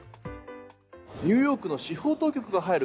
ニューヨークの司法当局が入る